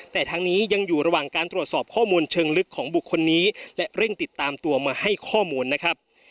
แต่ทางนี้ยังอยู่ระหว่างการตรวจสอบข้อมูลเชิงลึกของบุคคลนี้และเร่งติดตามตัวมาให้ข้อมูลนะครับ